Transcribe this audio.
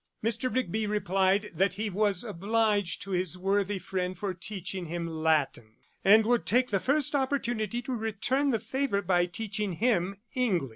Mr. Rigby replied, that he was obliged to his worthy friend for teaching him Latin, and would take the first opportunity to return the favour by teaching him English.'